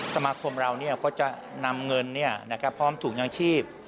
สมาคมเราก็จะนำเงินพร้อมถุงยางชีพ